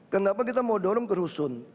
kenapa kita mau dorong ke rusun